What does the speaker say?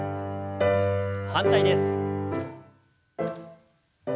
反対です。